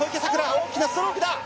大きなストロークだ。